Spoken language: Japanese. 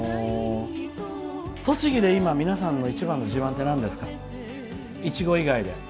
栃木で今、皆さんの一番の自慢ってなんですかイチゴ以外で。